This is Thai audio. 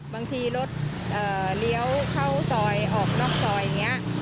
บางทีรถเลี้ยวเข้าซอยออกนอกซอยอย่างนี้